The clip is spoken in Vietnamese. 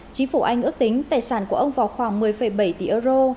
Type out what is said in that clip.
chính phủ anh ước tính tài sản của ông vào khoảng một mươi bảy tỷ euro